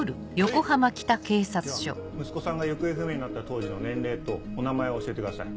・では息子さんが行方不明になった当時の年齢とお名前を教えてください。